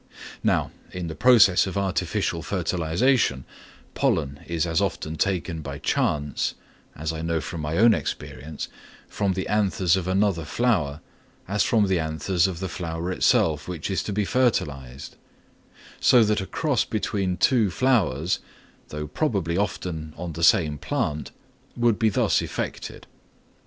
Now, in the process of artificial fertilisation, pollen is as often taken by chance (as I know from my own experience) from the anthers of another flower, as from the anthers of the flower itself which is to be fertilised; so that a cross between two flowers, though probably often on the same plant, would be thus effected.